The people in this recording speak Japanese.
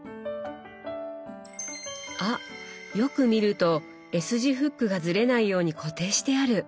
あっよく見るとＳ字フックがずれないように固定してある！